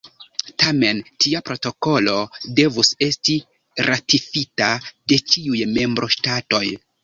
Tamen tia protokolo devus esti ratifita de ĉiuj membroŝtatoj.